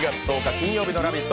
金曜日の「ラヴィット！」